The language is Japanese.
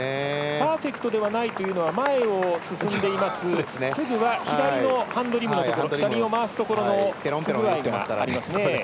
パーフェクトではないというのは前を進んでいます、フグは左のハンドリムのところ車輪を回すところの不具合がありますね。